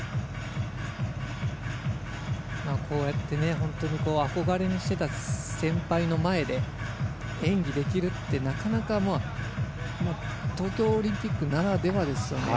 本当に憧れにしていた先輩の前で演技できるってなかなか東京オリンピックならではですね。